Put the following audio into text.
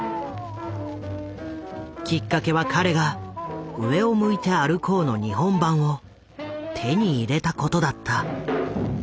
きっかけは彼が「上を向いて歩こう」の日本盤を手に入れたことだった。